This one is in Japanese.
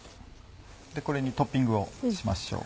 これにトッピングをしましょう。